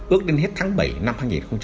ước đến hết tháng bảy năm hai nghìn hai mươi